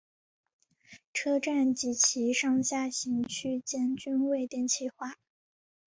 车站及其上下行区间均未电气化。